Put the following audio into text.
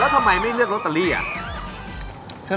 แล้วทำไมไม่เลือกโรตเตอรี่อ่ะ